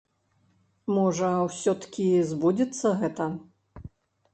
Можа, усё-ткі збудзецца гэта.